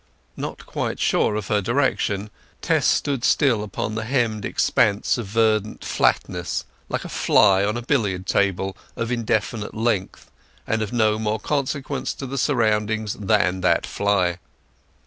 Not quite sure of her direction, Tess stood still upon the hemmed expanse of verdant flatness, like a fly on a billiard table of indefinite length, and of no more consequence to the surroundings than that fly.